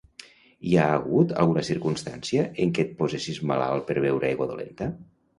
Hi ha hagut alguna circumstància en què et posessis malalt per beure aigua dolenta?